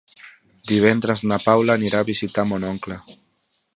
Divendres na Paula anirà a visitar mon oncle.